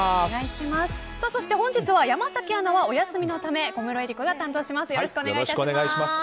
本日は山崎アナはお休みのため小室瑛莉子が担当します。